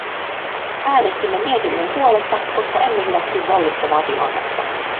Äänestimme mietinnön puolesta, koska emme hyväksy vallitsevaa tilannetta.